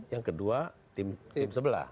yang kedua tim sebelah